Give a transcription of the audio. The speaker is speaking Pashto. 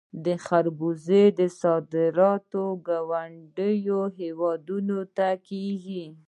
د خربوزو صادرات ګاونډیو هیوادونو ته کیږي.